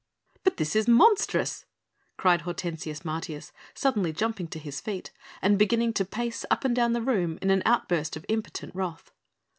"But this is monstrous!" cried Hortensius Martius, suddenly jumping to his feet and beginning to pace up and down the room in an outburst of impotent wrath.